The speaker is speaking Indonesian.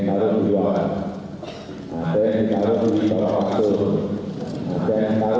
kalau tidak percaya kita berbautan bagaimana